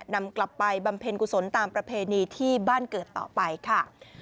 นำกลับไปบำเพ็ญกุศลตามประเพณีที่บ้านเกิดต่อไปค่ะ